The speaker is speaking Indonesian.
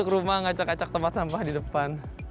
ke rumah ngacak acak tempat sampah di depan